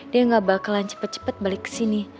dia gak bakalan cepet cepet balik kesini